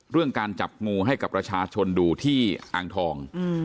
เรื่องการจับงูให้กับประชาชนดูที่อ่างทอง